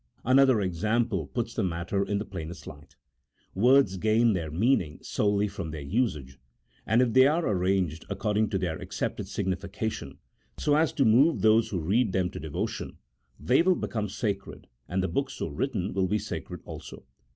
Another example puts the matter in the plainest light. Words gain their meaning solely from their usage, and if they are arranged according to their accepted signification so as to move those who read them to devotion, they will become sacred, and the book so written will be sacred also.